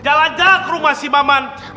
jalan jalan ke rumah si maman